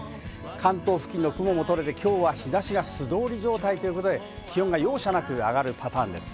関東付近の雲も取れて、きょうは日差しが素通り状態ということで気温が容赦なく上がるパターンです。